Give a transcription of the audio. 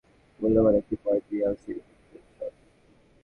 তবে শেষ পর্যন্ত ড্র করে মহামূল্যবান একটি পয়েন্ট রিয়াল শিবিরে দিয়েছে স্বস্তি।